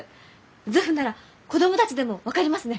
図譜なら子供たちでも分かりますね！